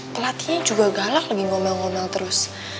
pelatihnya juga galak lagi ngomel ngomel terus